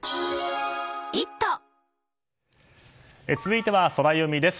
続いては、ソラよみです。